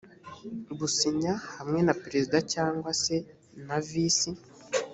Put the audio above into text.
gusinya hamwe na perezida cyangwa se na visi